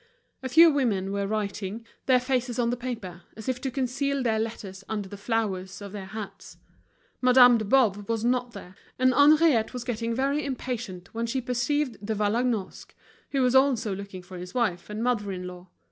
A few women were writing, their faces on the paper, as if to conceal their letters under the flowers of their hats. Madame de Boves was not there, and Henriette was getting very impatient when she perceived De Vallagnosc, who was also looking for his wife and mother in law.